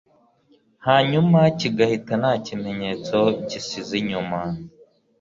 hanyuma kigahita nta kimenyetso gisize inyuma